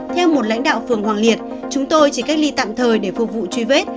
theo một lãnh đạo phường hoàng liệt chúng tôi chỉ cách ly tạm thời để phục vụ truy vết